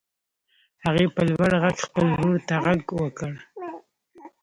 هغې په لوړ غږ خپل ورور ته غږ وکړ.